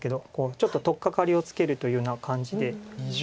ちょっと取っかかりをつけるというような感じで。